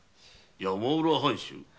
山浦藩主？